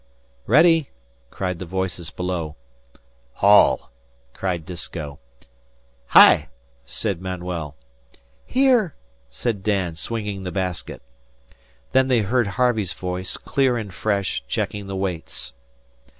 "Ready!" cried the voices below. "Haul!" cried Disko. "Hi!" said Manuel. "Here!" said Dan, swinging the basket. Then they heard Harvey's voice, clear and fresh, checking the weights.